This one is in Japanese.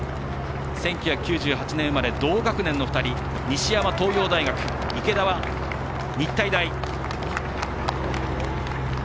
１９９８年生まれ同学年の２人、西山、東洋大学池田は日体大。